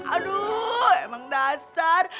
aduh emang dasar